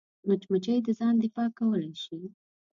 مچمچۍ د ځان دفاع کولی شي